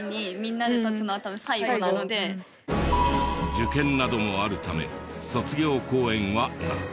受験などもあるため卒業公演は夏。